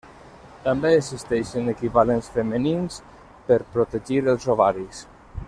També existeixen equivalents femenins per protegir els ovaris.